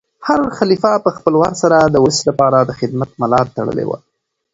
هر خلیفه په خپل وار سره د ولس لپاره د خدمت ملا تړلې وه.